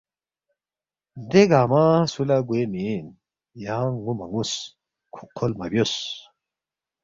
دے گنگمہ سُو لہ گوے مین، یانگ نُ٘و مہ نُ٘وس، کھوقکھول مہ بیوس